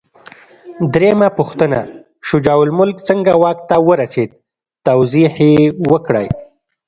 درېمه پوښتنه: شجاع الملک څنګه واک ته ورسېد؟ توضیح یې کړئ.